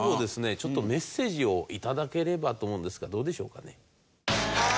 ちょっとメッセージを頂ければと思うんですがどうでしょうかね？